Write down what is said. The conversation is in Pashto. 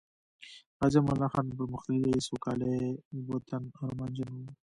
غازی امان الله خان د پرمختللي، سوکالۍ وطن ارمانجن وو